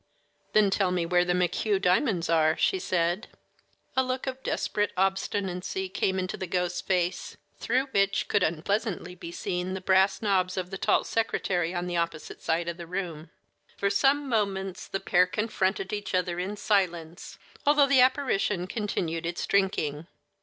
"Then tell me where the McHugh diamonds are," she said. A look of desperate obstinacy came into the ghost's face, through which could unpleasantly be seen the brass knobs of a tall secretary on the opposite side of the room. For some moments the pair confronted each other in silence, although the apparition continued its drinking.